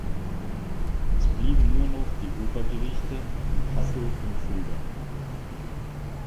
Es blieben nur noch die Obergerichte in Kassel und Fulda.